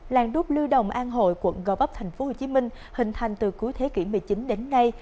làng đúc lưu đồng an hội quận gò vấp tp hcm hình thành từ cuối thế kỷ một mươi chín đến nay